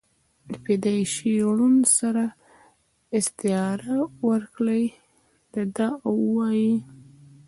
دَپيدائشي ړوند سره استعاره ورکړې ده او وائي: